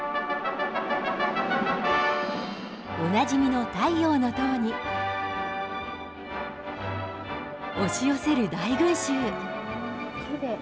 おなじみの太陽の塔に押し寄せる大群衆。